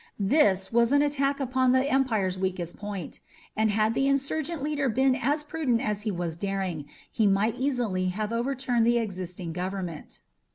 This was an attack upon the empire's weakest point; and had the insurgent leader been as prudent as he was daring, he might easily have overturned the existing government.